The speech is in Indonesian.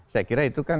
saya kira itu kan